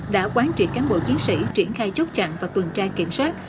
đã quán trị cán bộ chiến sĩ triển khai chốt chặn và tuần trai kiểm soát